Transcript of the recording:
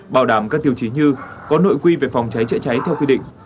bảo đảm các tiêu chí như có nội quy về phòng cháy chữa cháy theo quy định